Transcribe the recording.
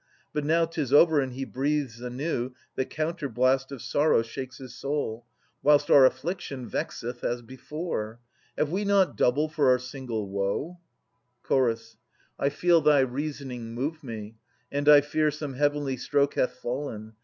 But now 'tis over and he breathes anew, The counterblast of sorrow shakes his soul, Whilst our affliction vexeth as before. Have we not double for our single woe? Ch. I feel thy reasoning move me, and I fear Some heavenly stroke hath fallen.